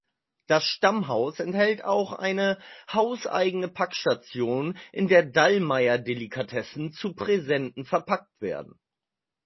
Das Stammhaus enthält auch eine hauseigene Packstation, in der Dallmayr-Delikatessen zu Präsenten verpackt werden.